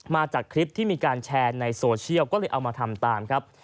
มาจากคลิปที่มีการแชร์ในโซเชียลก็เลยเอามาทำตามครับ